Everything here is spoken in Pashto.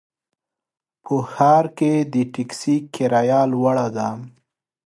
په ښار کې د ټکسي کرایه لوړه ده.